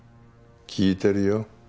聞いてるよ。